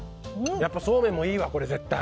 やっぱりそうめんもいいわ絶対。